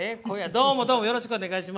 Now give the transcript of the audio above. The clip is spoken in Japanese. どうもどうもよろしくお願いします。